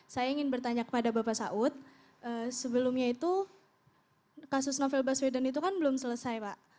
saya ingin bertanya kepada bapak saud sebelumnya itu kasus novel baswedan itu kan belum selesai pak